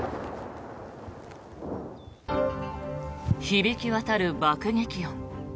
響き渡る爆撃音。